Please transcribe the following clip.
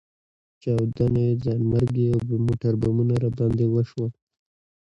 چاودنې، ځانمرګي او موټربمونه راباندې وشول.